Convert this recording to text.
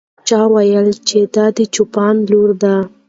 چا وویل چې دا د چوپان لور ده.